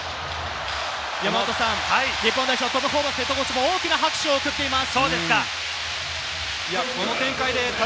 日本代表・トム・ホーバスＨＣも大きな拍手を送っています。